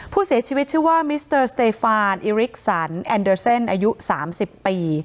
ผู้เสียชีวิตชื่อว่ามิสเตอร์สเตฟานอิริกสันแอนเดอร์เซนอายุ๓๐ปี